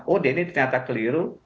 oh ini ternyata keliru